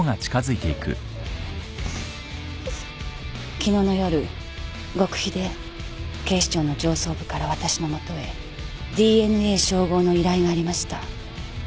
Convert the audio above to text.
昨日の夜極秘で警視庁の上層部から私の元へＤＮＡ照合の依頼がありました。